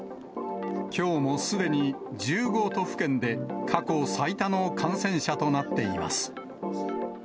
きょうもすでに１５都府県で、過去最多の感染者となっています。